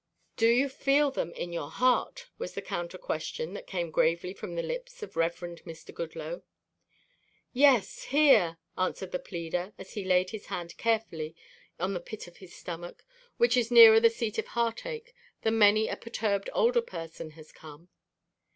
"Do you feel them in your heart?" was the counter question that came gravely from the lips of the Reverend Mr. Goodloe. "Yes, here," answered the pleader as he laid his hand carefully on the pit of his stomach, which is nearer the seat of heartache than many a perturbed older person has come.